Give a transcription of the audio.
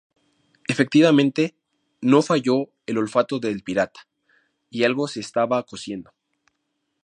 Efectivamente, no falló el olfato de El Pirata, y algo se estaba cociendo.